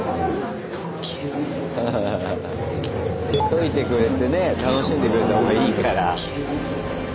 解いてくれてね楽しんでくれたほうがいいから。